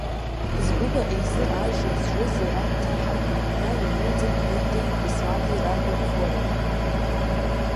Згәыла изы ажра зжыз иара дҭаҳауеит, ҳәа нацылҵеит Гәындеи Беслани ражәа Флорагьы.